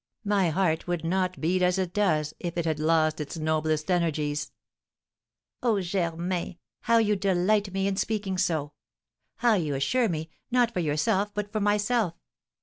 My heart would not beat as it does if it had lost its noblest energies." "Oh, Germain, how you delight me in speaking so! How you assure me, not for yourself but for myself.